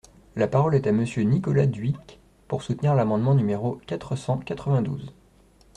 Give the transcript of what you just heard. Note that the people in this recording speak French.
La parole est à Monsieur Nicolas Dhuicq, pour soutenir l’amendement numéro quatre cent quatre-vingt-douze.